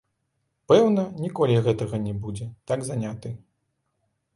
Пэўна, ніколі гэтага не будзе, так заняты.